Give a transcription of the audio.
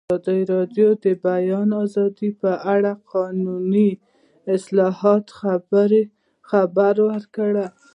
ازادي راډیو د د بیان آزادي په اړه د قانوني اصلاحاتو خبر ورکړی.